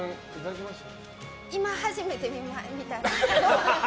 今、初めて見た。